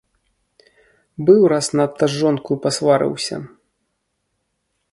Быў раз надта з жонкаю пасварыўся.